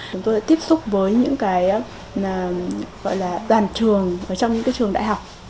chúng tôi đã tiếp xúc với những cái gọi là đoàn trường trong những cái trường đại học